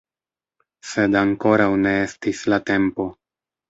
Sed ankoraŭ ne estis la tempo.